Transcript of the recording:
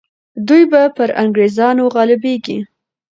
دوی به پر انګریزانو غالبیږي.